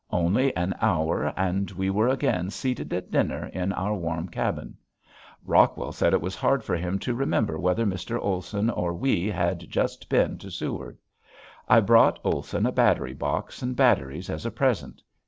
Only an hour and we were again seated at dinner in our warm cabin. Rockwell said it was hard for him to remember whether Mr. Olson or we had just been to Seward. I brought Olson a battery box and batteries as a present.